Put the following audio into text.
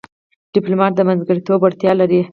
ډيپلومات د منځګړیتوب وړتیا لري.